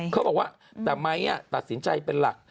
เขาบอกว่าแต่ไม้ตัดสินใจเป็นหลัก